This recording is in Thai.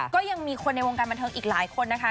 ก็ยังมีคนในวงการบันเทิงอีกหลายคนนะคะ